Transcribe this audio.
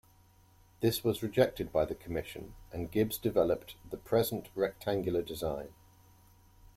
This was rejected by the commission, and Gibbs developed the present rectangular design.